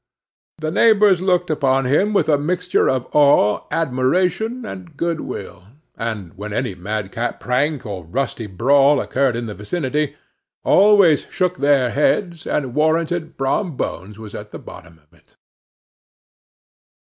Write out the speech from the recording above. The neighbors looked upon him with a mixture of awe, admiration, and good will; and, when any madcap prank or rustic brawl occurred in the vicinity, always shook their heads, and warranted Brom Bones was at the bottom of it.